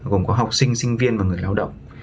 gồm có học sinh sinh viên và người lao động